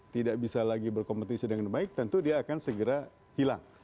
tidak bisa lagi berkompetisi dengan baik tentu dia akan segera hilang